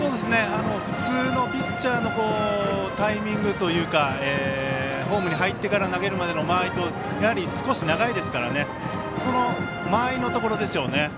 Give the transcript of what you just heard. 普通のピッチャーのタイミングというかフォームに入ってから投げるまでの間合いと少し長いですからその間合いのところですよね。